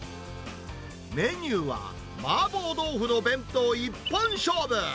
メニューは麻婆豆腐の弁当、一本勝負。